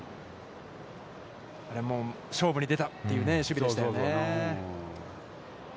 あれも勝負に出たという守備でしたね。